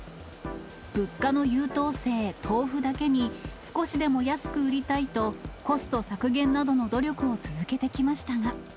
物価の優等生、豆腐だけに、少しでも安く売りたいと、コスト削減などの努力を続けてきましたが。